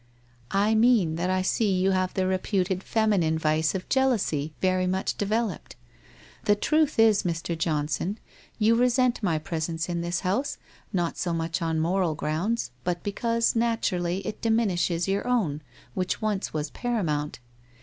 ' I mean that I see you have the reputed feminine vice of jealousy very much developed. The truth is, Mr. John son, you resent my presence in this house, not so much on moral grounds, but because, naturally, it diminishes your own, which once was paramount.